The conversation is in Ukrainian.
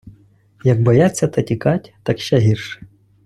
- Як бояться та тікать, так ще гірше.